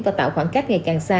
và tạo khoảng cách ngày càng xa